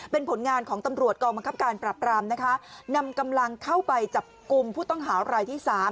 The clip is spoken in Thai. เป็นผลงานของตำรวจกองบังคับการปรับรามนะคะนำกำลังเข้าไปจับกลุ่มผู้ต้องหารายที่๓